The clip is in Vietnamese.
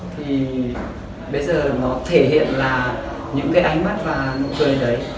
thì bây giờ nó thể hiện là những cái ánh mắt và nụ cười đấy